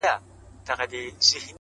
o سیاه پوسي ده ـ خاوري مي ژوند سه ـ